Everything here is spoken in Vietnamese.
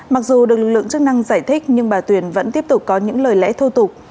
mặc dù được lượng chức năng giải thích nhưng bà tuyền vẫn tiếp tục có những lời lẽ thô tục